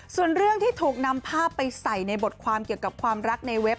ส่วนเรื่องที่ถูกนำภาพไปใส่ในบทความเกี่ยวกับความรักในเว็บ